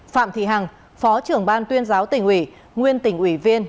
phạm thị hằng phó trưởng ban tuyên giáo tỉnh uỷ nguyên tỉnh uỷ viên